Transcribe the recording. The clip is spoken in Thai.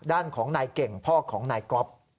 ด้านของนายเก่งพ่อของนายก๊อฟ